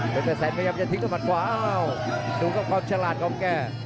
เป็นแปดแสนกำลังจะทิ้งต้นผ่านขวาอ้าวดูกับความฉลาดของแก